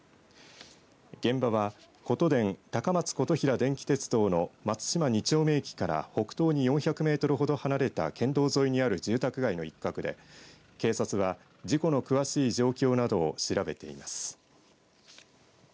現場は、ことでん高松琴平電気鉄道の松島二丁目駅から北東に４００メートルほど離れた県道沿いにある住宅街の一角で、警察は事故の詳しい状況などを調べています。